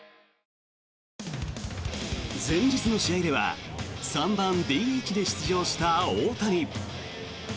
前日の試合では３番ＤＨで出場した大谷。